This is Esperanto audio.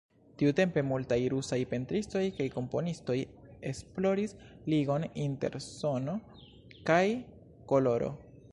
Tiutempe multaj rusaj pentristoj kaj komponistoj esploris ligon inter sono kaj koloro.